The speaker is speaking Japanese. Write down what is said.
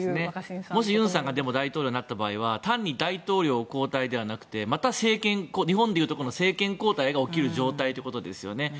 もしユンさんが大統領になった場合は単に大統領交代ではなくて日本でいうところの政権交代が起きる状態ということですよね。